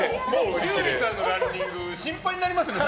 伊集院さんのランニング心配になりますね。